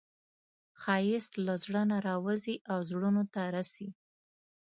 ښایست له زړه نه راوځي او زړونو ته رسي